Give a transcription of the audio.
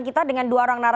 bisa sesuka juga mbak